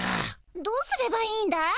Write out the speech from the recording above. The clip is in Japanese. どうすればいいんだい？